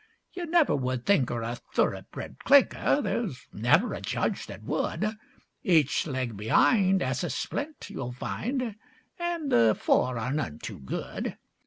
'You never would think 'er a thoroughbred clinker, There's never a judge that would; Each leg be'ind 'as a splint, you'll find, And the fore are none too good.